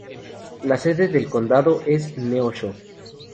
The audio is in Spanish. La sede del condado es Neosho.